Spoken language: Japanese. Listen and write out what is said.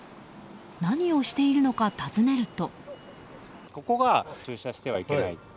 何をしているのか尋ねると。